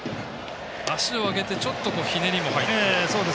足を上げてちょっとひねりも入っている。